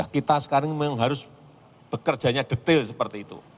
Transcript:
kita sekarang memang harus bekerjanya detail seperti itu